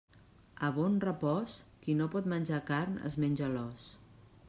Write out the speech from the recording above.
A Bonrepòs, qui no pot menjar carn es menja l'os.